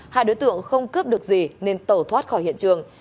hai đối tượng không cướp được gì nên tẩu thoát khỏi hiện trường